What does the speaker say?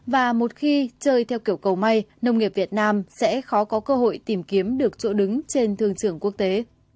và một khi chơi theo kiểu cầu may nông nghiệp việt nam sẽ khó có cơ hội tìm kiếm được chỗ đứng trên thương trường quốc tế